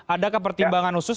adakah pertimbangan khusus